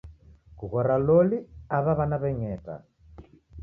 Kughora loli aw'a w'ana w'eng'eta